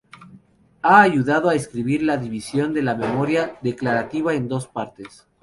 Ha ayudado a describir la división de la memoria declarativa en dos partes.